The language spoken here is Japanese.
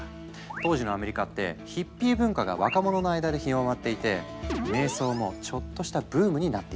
当時のアメリカってヒッピー文化が若者の間で広まっていて瞑想もちょっとしたブームになっていたんだ。